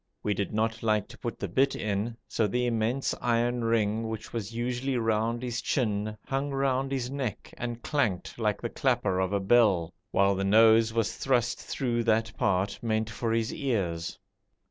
We did not like to put the bit in, so the immense iron ring which was usually round his chin hung round his neck and clanked like the clapper of a bell, while the nose was thrust through that part meant for his ears.